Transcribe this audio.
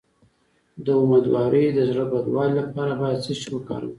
د امیدوارۍ د زړه بدوالي لپاره باید څه شی وکاروم؟